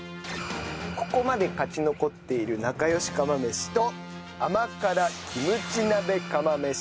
ここまで勝ち残っているなかよし釜飯と甘辛キムチ鍋釜飯。